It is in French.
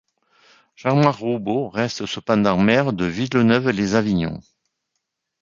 Jean-Marc Roubaud reste cependant maire de Villeneuve-lès-Avignon.